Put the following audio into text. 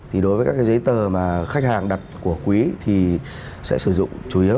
thì đối với các cái giấy tờ mà khách hàng đặt của quý thì sẽ sử dụng chủ yếu